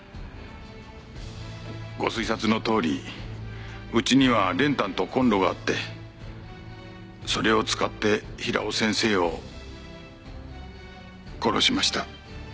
ご推察のとおりうちには練炭とコンロがあってそれを使って平尾先生を殺しました。